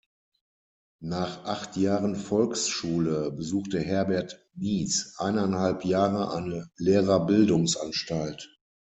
Nach acht Jahren Volksschule besuchte Herbert Mies eineinhalb Jahre eine Lehrerbildungsanstalt.